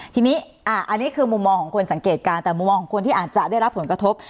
ทีนี้อันนี้คือมุมมองของคนสังเกตการณ์แต่มุมมองของคนที่อาจจะได้รับผลกระทบ